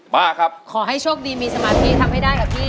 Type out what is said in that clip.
มาครับขอให้โชคดีมีสมาธิทำให้ได้กับพี่